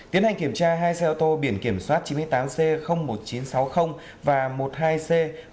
tiến hành kiểm tra hai xe ô tô biển kiểm soát chín mươi tám c một nghìn chín trăm sáu mươi và một mươi hai c một nghìn sáu trăm sáu mươi